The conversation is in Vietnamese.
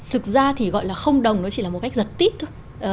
thực ra thì gọi là không đồng nó chỉ là một cách giật típ thôi